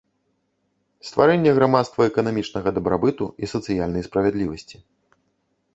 Стварэнне грамадства эканамічнага дабрабыту і сацыяльнай справядлівасці.